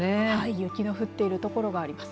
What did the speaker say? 雪が降っている所があります。